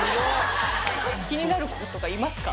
気になる子とかいますか？